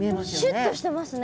シュッとしてますね。